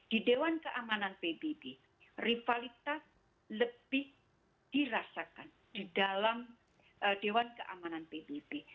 di dewan keamanan pbb rivalitas lebih dirasakan di dalam dewan keamanan pbb